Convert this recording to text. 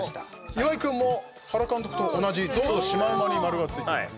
岩井君も原監督と同じゾウとシマウマに丸がついてます。